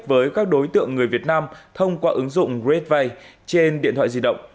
với các đối tượng người việt nam thông qua ứng dụng redvay trên điện thoại di động